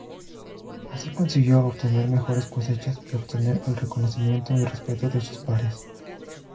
Así consiguió obtener mejores cosechas y obtener el reconocimiento y respeto de sus pares.